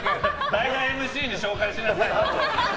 代打ＭＣに紹介しなさいよ。